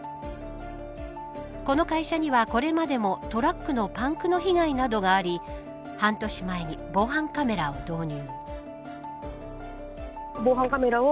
この会社には、これまでもトラックのパンクの被害などがあり半年前に防犯カメラを導入。